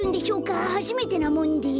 はじめてなもんで。